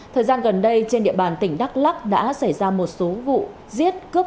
thời gian gần đây trên địa bàn tỉnh đắk lắc đã xảy ra một số vụ giết cướp